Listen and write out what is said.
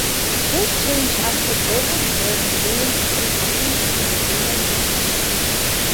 This changed after David Ben-Gurion became appointed in the General Secretariat.